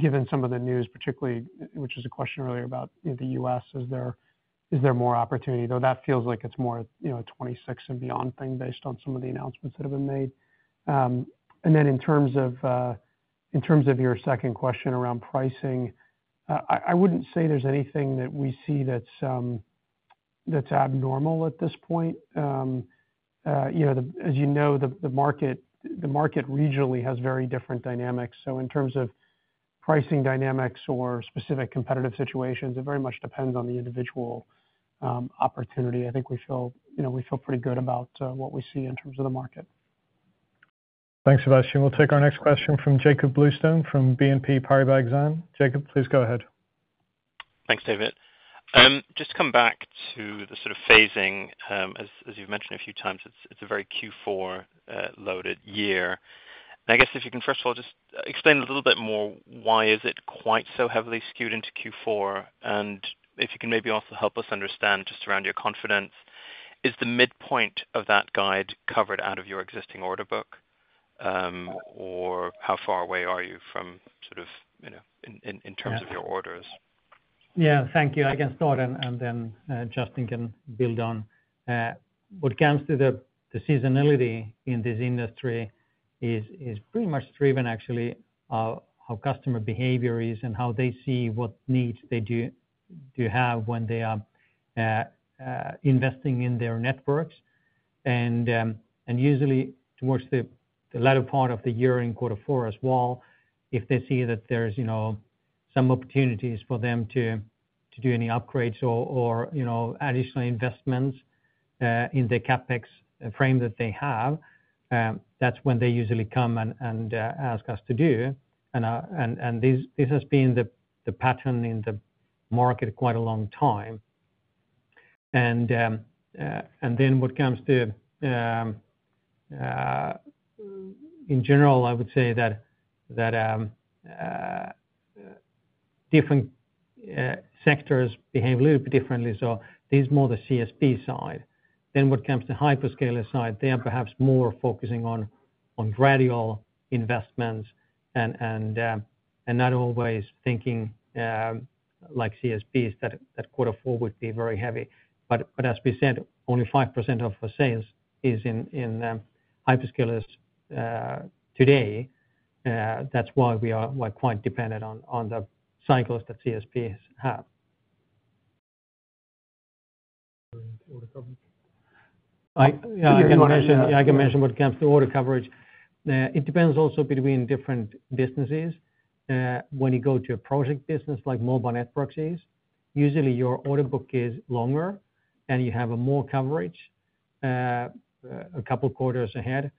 given some of the news, particularly, which was a question earlier about the U.S., is there more opportunity? Though that feels like it's more a 2026 and beyond thing based on some of the announcements that have been made. In terms of your second question around pricing, I wouldn't say there's anything that we see that's abnormal at this point. As you know, the market regionally has very different dynamics. In terms of pricing dynamics or specific competitive situations, it very much depends on the individual opportunity. I think we feel pretty good about what we see in terms of the market. Thanks, Sebastian. We'll take our next question from Jakob Bluestone from BNP Paribas Exime. Jacob, please go ahead. Thanks, David. Just to come back to the sort of phasing, as you've mentioned a few times, it's a very Q4-loaded year. I guess if you can first of all just explain a little bit more, why is it quite so heavily skewed into Q4? If you can maybe also help us understand just around your confidence, is the midpoint of that guide covered out of your existing order book? Or how far away are you from sort of, in terms of your orders? Yeah, thank you. I can start, and then Justin can build on. What comes to the seasonality in this industry is pretty much driven actually by how customer behavior is and how they see what needs they do have when they are investing in their networks. Usually towards the latter part of the year in quarter four as well, if they see that there's some opportunities for them to do any upgrades or additional investments in the CapEx frame that they have, that's when they usually come and ask us to do. This has been the pattern in the market quite a long time. In general, I would say that different sectors behave a little bit differently. This is more the CSP side. What comes to the hyperscaler side, they are perhaps more focusing on gradual investments and not always thinking like CSP that quarter four would be very heavy. As we said, only 5% of our sales is in hyperscalers today. That's why we are quite dependent on the cycles that CSPs have. Yeah, I can mention what comes to order coverage. It depends also between different businesses. When you go to a project business like Mobile Networks is, usually your order book is longer and you have more coverage a couple of quarters ahead.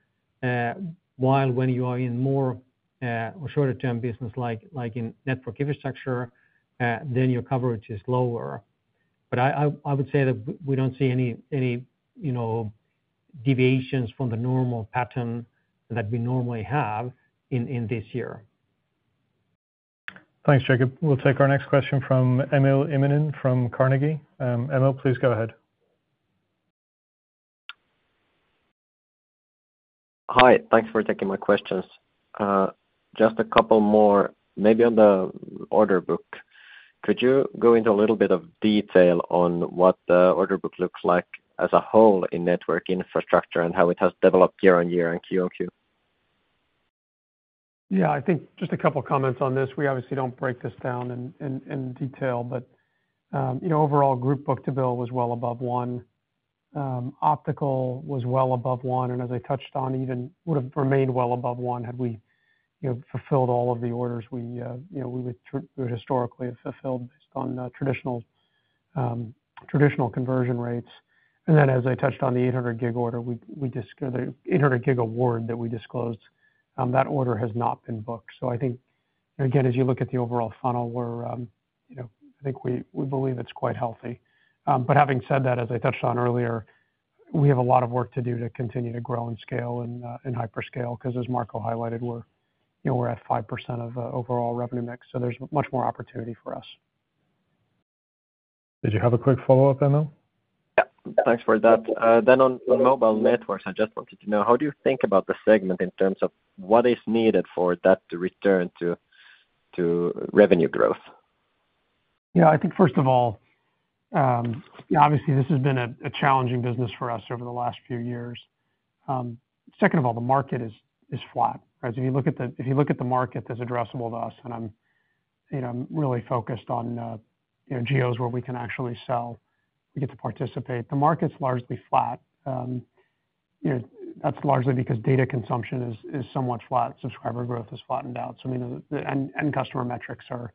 While when you are in more short-term business like in Network Infrastructure, then your coverage is lower. I would say that we do not see any deviations from the normal pattern that we normally have in this year. Thanks, Jacob. We'll take our next question from Emil Immonen from Carnegie. Emil, please go ahead. Hi, thanks for taking my questions. Just a couple more, maybe on the order book. Could you go into a little bit of detail on what the order book looks like as a whole in Network Infrastructure and how it has developed year on year and Q&Q? Yeah, I think just a couple of comments on this. We obviously do not break this down in detail, but overall group Book-to-bill was well above one. Optical was well above one. As I touched on, even would have remained well above one had we fulfilled all of the orders we would historically have fulfilled based on traditional conversion rates. As I touched on, the 800G order, the 800G award that we disclosed, that order has not been booked. I think, again, as you look at the overall funnel, we believe it is quite healthy. Having said that, as I touched on earlier, we have a lot of work to do to continue to grow and scale and hyperscale because, as Marco highlighted, we are at 5% of the overall revenue mix. There is much more opportunity for us. Did you have a quick follow-up, Emil? Yeah, thanks for that. On Mobile Networks, I just wanted to know, how do you think about the segment in terms of what is needed for that to return to revenue growth? Yeah, I think first of all, obviously, this has been a challenging business for us over the last few years. Second of all, the market is flat. If you look at the market that's addressable to us, and I'm really focused on geos where we can actually sell, we get to participate. The market's largely flat. That's largely because data consumption is somewhat flat. Subscriber growth has flattened out, and customer metrics are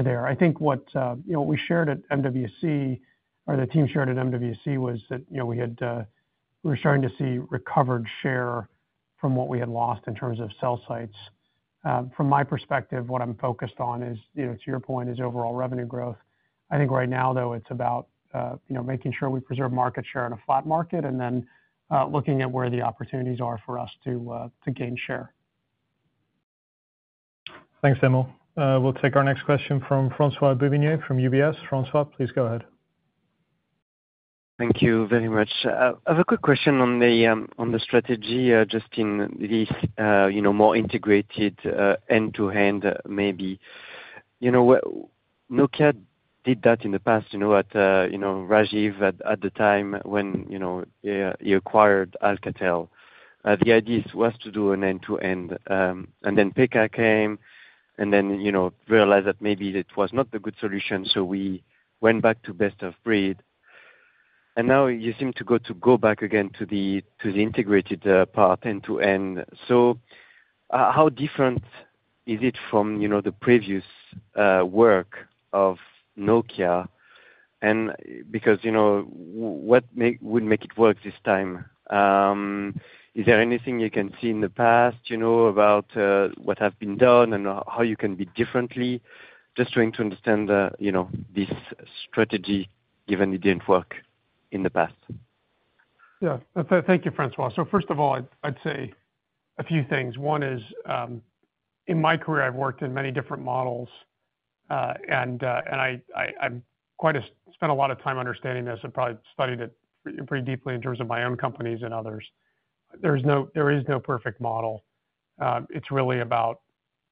there. I think what we shared at MWC, or the team shared at MWC, was that we were starting to see recovered share from what we had lost in terms of sell sites. From my perspective, what I'm focused on is, to your point, is overall revenue growth. I think right now, though, it's about making sure we preserve market share in a flat market and then looking at where the opportunities are for us to gain share. Thanks, Emil. We'll take our next question from François Bouvignies from UBS. François, please go ahead. Thank you very much. I have a quick question on the strategy, Justin, this. More integrated end-to-end maybe. Nokia did that in the past at Rajeev at the time when he acquired Alcatel. The idea was to do an end-to-end. Then Pekka came and then realized that maybe it was not the good solution, so we went back to best of breed. Now you seem to go back again to the integrated part, end-to-end. How different is it from the previous work of Nokia? What would make it work this time? Is there anything you can see in the past about what has been done and how you can be differently? Just trying to understand this strategy given it did not work in the past. Yeah, thank you, François. First of all, I'd say a few things. One is, in my career, I've worked in many different models. I've quite spent a lot of time understanding this and probably studied it pretty deeply in terms of my own companies and others. There is no perfect model. It's really about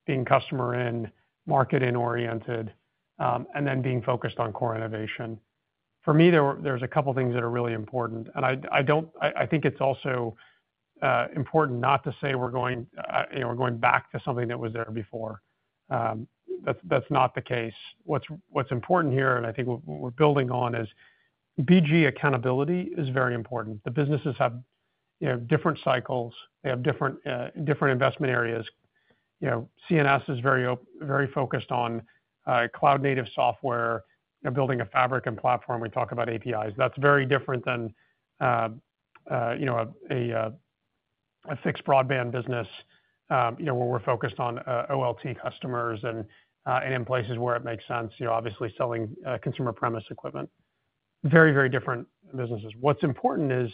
being customer-in, marketing-oriented, and then being focused on core innovation. For me, there's a couple of things that are really important. I think it's also important not to say we're going back to something that was there before. That's not the case. What's important here, and I think what we're building on, is BG accountability is very important. The businesses have different cycles. They have different investment areas. CNS is very focused on cloud-native software, building a fabric and platform. We talk about APIs. That's very different than a fixed broadband business, where we're focused on OLT customers and in places where it makes sense, obviously selling consumer premise equipment. Very, very different businesses. What's important is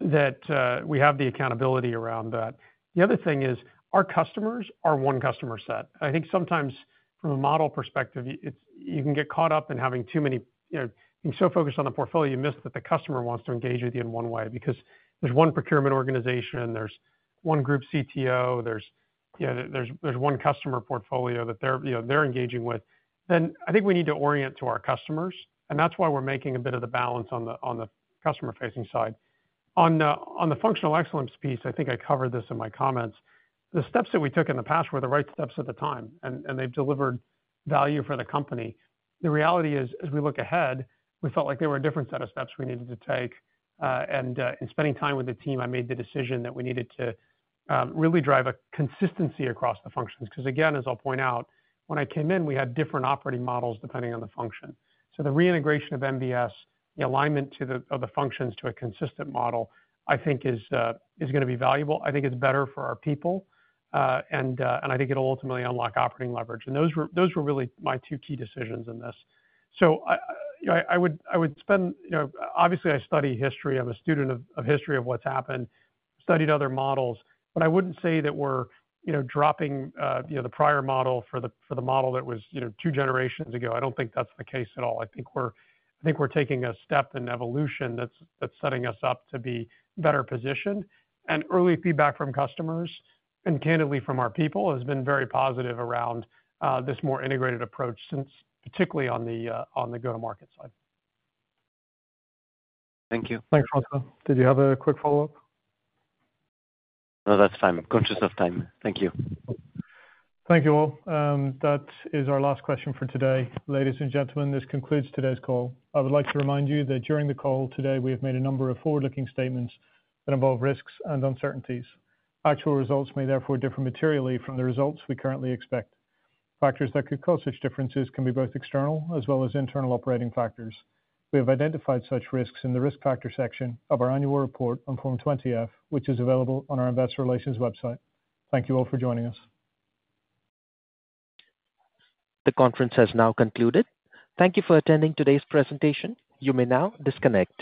that we have the accountability around that. The other thing is our customers are one customer set. I think sometimes from a model perspective, you can get caught up in having too many. Being so focused on the portfolio, you miss that the customer wants to engage with you in one way because there's one procurement organization, there's one group CTO, there's one customer portfolio that they're engaging with. I think we need to orient to our customers. That's why we're making a bit of the balance on the customer-facing side. On the functional excellence piece, I think I covered this in my comments. The steps that we took in the past were the right steps at the time, and they've delivered value for the company. The reality is, as we look ahead, we felt like there were a different set of steps we needed to take. In spending time with the team, I made the decision that we needed to really drive a consistency across the functions. Because again, as I'll point out, when I came in, we had different operating models depending on the function. The reintegration of MVS, the alignment of the functions to a consistent model, I think is going to be valuable. I think it's better for our people. I think it'll ultimately unlock operating leverage. Those were really my two key decisions in this. I would spend, obviously, I study history. I'm a student of history of what's happened. Studied other models. I wouldn't say that we're dropping the prior model for the model that was two generations ago. I don't think that's the case at all. I think we're taking a step in evolution that's setting us up to be better positioned. Early feedback from customers, and candidly from our people, has been very positive around this more integrated approach, particularly on the go-to-market side. Thank you. Thanks, François. Did you have a quick follow-up? No, that's fine. Conscious of time. Thank you. Thank you all. That is our last question for today. Ladies and gentlemen, this concludes today's call. I would like to remind you that during the call today, we have made a number of forward-looking statements that involve risks and uncertainties. Actual results may therefore differ materially from the results we currently expect. Factors that could cause such differences can be both external as well as internal operating factors. We have identified such risks in the risk factor section of our annual report on Form 20F, which is available on our investor relations website. Thank you all for joining us. The conference has now concluded. Thank you for attending today's presentation. You may now disconnect.